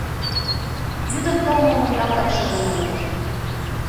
Йӱдым кылмымым ялтак шижын омыл.